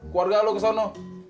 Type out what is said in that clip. keluarga lo kesana